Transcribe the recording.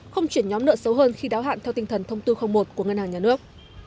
không chuyển nhóm nợ xấu hơn khi đáo hạn theo tinh thần thông tư một của ngân hàng nhà nước